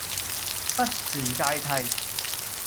不存芥蒂